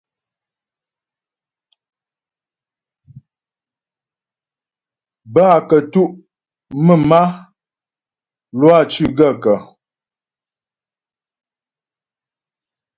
Bə́ a kətʉ' mə̀m a, Lwâ cʉ́ gaə̂kə́ ?